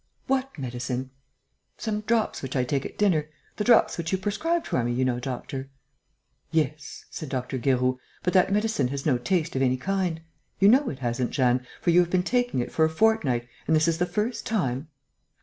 "What medicine?" "Some drops which I take at dinner ... the drops which you prescribed for me, you know, doctor." "Yes," said Dr. Guéroult, "but that medicine has no taste of any kind.... You know it hasn't, Jeanne, for you have been taking it for a fortnight and this is the first time...."